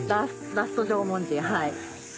ラスト縄文人はい。